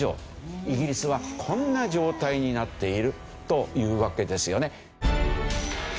イギリスはこんな状態になっているというわけですよね。